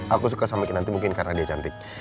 aku suka sama kinanti mungkin karena dia cantik